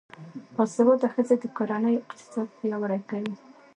باسواده ښځې د کورنۍ اقتصاد پیاوړی کوي.